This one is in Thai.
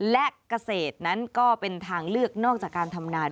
และเกษตรนั้นก็เป็นทางเลือกนอกจากการทำนาน